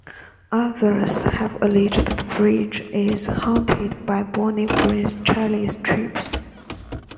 Others have alleged the bridge is haunted by Bonny Prince Charlie's troops.